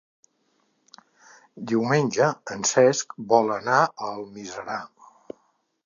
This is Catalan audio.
Diumenge en Cesc vol anar a Almiserà.